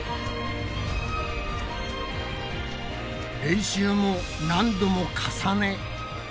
練習も何度も重ね